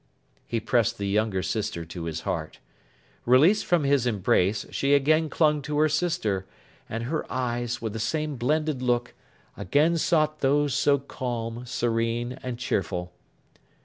He pressed the younger sister to his heart. Released from his embrace, she again clung to her sister; and her eyes, with the same blended look, again sought those so calm, serene, and cheerful.